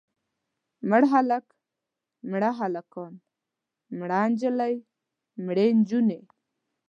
مړ هلک، مړه هلکان، مړه نجلۍ، مړې نجونې.